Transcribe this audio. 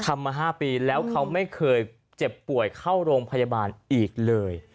มา๕ปีแล้วเขาไม่เคยเจ็บป่วยเข้าโรงพยาบาลอีกเลย